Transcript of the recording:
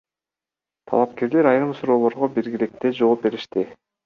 Талапкерлер айрым суроолорго биргеликте жооп беришти.